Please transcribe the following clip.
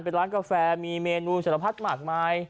เป็นร้านกาแฟมีเมนูสารพัดมากมาย